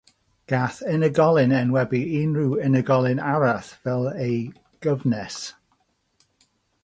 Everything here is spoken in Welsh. Gall unigolyn enwebu unrhyw unigolyn arall fel ei gyfnes.